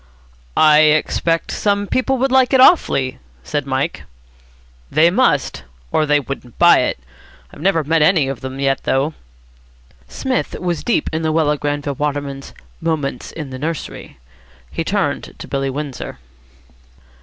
"I expect some people would like it awfully," said Mike. "They must, or they wouldn't buy it. I've never met any of them yet, though." Psmith was deep in Luella Granville Waterman's "Moments in the Nursery." He turned to Billy Windsor.